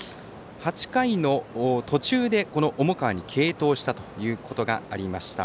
８回の途中で、重川に継投したということがありました。